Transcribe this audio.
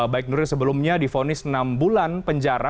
baik nuril sebelumnya difonis enam bulan penjara